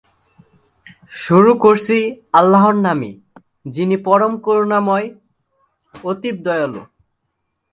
শুরু করছি আল্লাহর নামে যিনি পরম করুণাময়, অতীব দয়ালু।